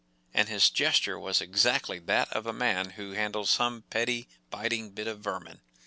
And his gesture was exactly that of a man who handles some petty biting bit of vermin.